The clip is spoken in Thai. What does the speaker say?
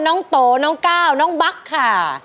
น้องโตน้องก้าวน้องบั๊กค่ะ